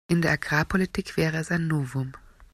In der Agrarpolitik wäre es ein Novum.